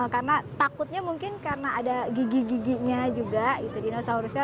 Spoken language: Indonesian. karena takutnya mungkin karena ada gigi giginya juga dinosaurusnya